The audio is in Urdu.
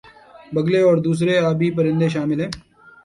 بگلے اور دوسرے آبی پرندے شامل ہیں